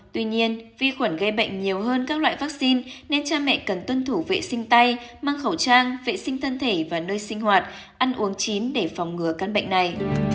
tuy nhiên vi khuẩn gây bệnh nhiều hơn các loại vaccine nên cha mẹ cần tuân thủ vệ sinh tay mang khẩu trang vệ sinh thân thể và nơi sinh hoạt ăn uống chín để phòng ngừa căn bệnh này